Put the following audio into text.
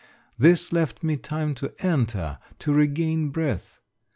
This left me time to enter, to regain breath.